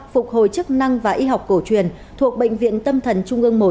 phục hồi chức năng và y học cổ truyền thuộc bệnh viện tâm thần trung ương một